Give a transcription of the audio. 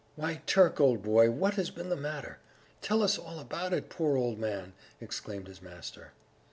"Why, Turk, old boy, what has been the matter? Tell us all about it, poor old man!" exclaimed his master.